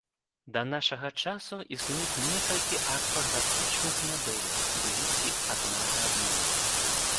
Да нашага часу існуюць некалькі арфаграфічных мадэляў, блізкіх адна да адной.